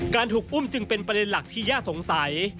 ถูกอุ้มจึงเป็นประเด็นหลักที่ย่าสงสัย